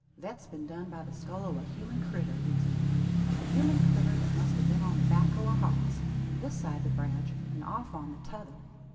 "Thet's been done by the skull o' a human critter," reasoned he "a human critter, that must a been on the back o' a hoss this side the branch, an off on the t'other.